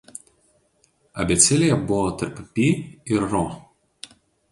Abėcėlėje buvo tarp pi ir ro.